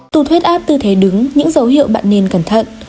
tù huyết áp tư thế đứng những dấu hiệu bạn nên cẩn thận